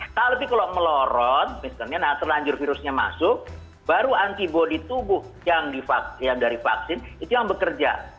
tapi kalau melorot misalnya nah terlanjur virusnya masuk baru antibody tubuh yang dari vaksin itu yang bekerja